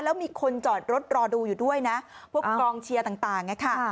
แล้วมีคนจอดรถรอดูอยู่ด้วยนะพวกกองเชียร์ต่างนะคะ